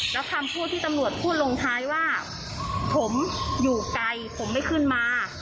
แล้วคำพูดที่ตำรวจพูดลงท้ายว่าผมอยู่ไกลผมไม่ขึ้นมา